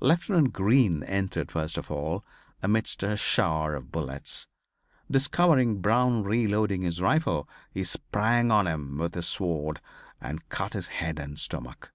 Lieutenant Green entered first of all amidst a shower of bullets. Discovering Brown reloading his rifle he sprang on him with his sword and cut his head and stomach.